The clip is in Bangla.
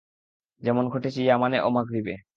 যেমন ঘটেছে ইয়ামানে ও মাগরিবে।